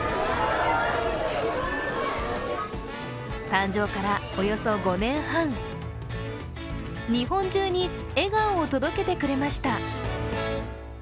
誕生からおよそ５年半、日本中に笑顔を届けてくれました。